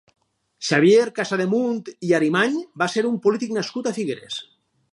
Xavier Casademunt i Arimany va ser un polític nascut a Figueres.